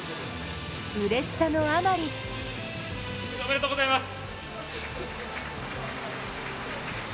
うれしさのあまりおめでとうございます！